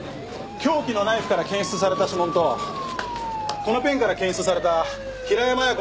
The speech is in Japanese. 凶器のナイフから検出された指紋とこのペンから検出された平山亜矢子の指紋が一致しました。